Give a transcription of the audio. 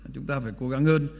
chúng ta phải cố gắng hơn